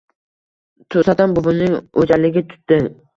To‘satdan buvimning o‘jarligi tutdi: